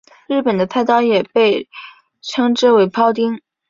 日本的菜刀也被称之为庖丁。